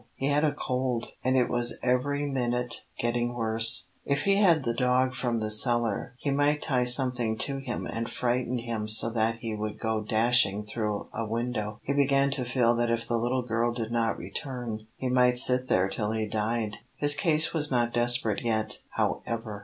He had a cold, and it was every minute getting worse. If he had the dog from the cellar, he might tie something to him and frighten him so that he would go dashing through a window. He began to feel that if the little girl did not return, he might sit there till he died. His case was not desperate yet, however.